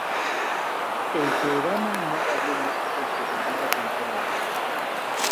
El programa no varió mucho de su primera temporada.